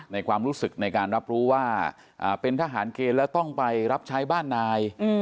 ความรู้สึกในการรับรู้ว่าเป็นทหารเกณฑ์แล้วต้องไปรับใช้บ้านนาย